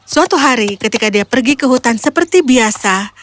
suatu hari ketika dia pergi ke hutan seperti biasa